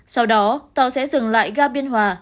sau đó tàu sẽ dừng lại gà biên hòa